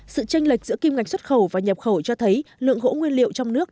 sự tranh lệch giữa kim ngạch xuất khẩu và nhập khẩu cho thấy lượng gỗ nguyên liệu trong nước